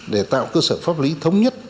để tạo cơ sở pháp lý thống nhất